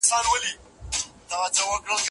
تاسو به د خپل ذهن د ارامولو لپاره تفریح کوئ.